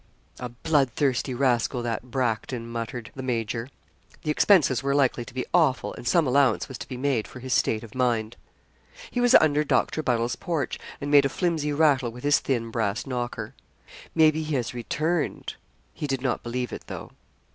'A bloodthirsty rascal that Bracton,' muttered the major. The expenses were likely to be awful, and some allowance was to be made for his state of mind. He was under Doctor Buddle's porch, and made a flimsy rattle with his thin brass knocker. 'Maybe he has returned?' He did not believe it, though.